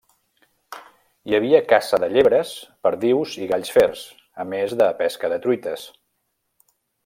Hi havia caça de llebres, perdius i galls fers, a més de pesca de truites.